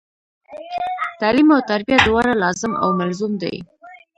تعلم او تربیه دواړه لاظم او ملظوم دي.